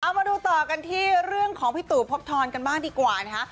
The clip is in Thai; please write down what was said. เอามาดูต่อกันที่เรื่องของพี่ตู่พบทรกันบ้างดีกว่านะคะ